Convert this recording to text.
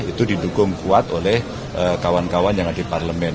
itu didukung kuat oleh kawan kawan yang ada di parlemen